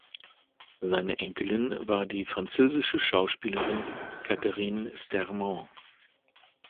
Seine Enkelin war die französische Schauspielerin Catherine Stermann.